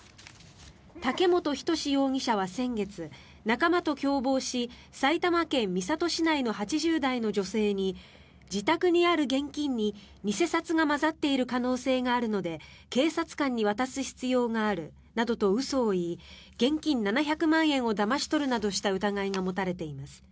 嵩元均容疑者は先月仲間と共謀し、埼玉県三郷市内の８０代の女性に自宅にある現金に偽札が混ざっている可能性があるので警察官に渡す必要があるなどと嘘を言い現金７００万円をだまし取るなどした疑いが持たれています。